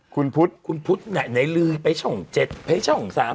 คุณพุทธคุณพุทธและไหนลืมภัยช่องเจ็ดเภกภัยช่องสาม